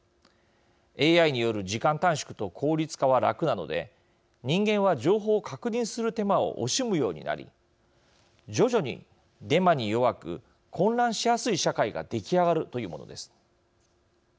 ＡＩによる時間短縮と効率化は楽なので人間は情報を確認する手間を惜しむようになり徐々にデマに弱く混乱しやすい社会が出来上がるというものです。